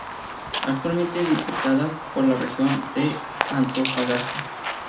Actualmente es diputada por la Región de Antofagasta.